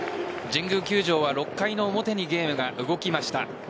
神宮球場は６回の表にゲームが動きました。